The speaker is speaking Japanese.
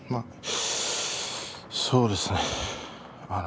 そうですね。